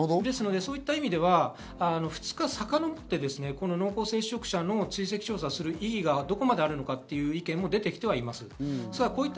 そういった意味では２日さかのぼって、濃厚接触者の追跡調査をする意味がどこまであるのかという意見も出てきています。